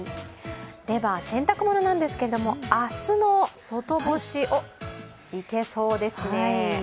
では、洗濯物のなんですけれども明日の外干しおっ、いけそうですね。